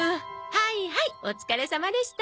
はいはいお疲れさまでした。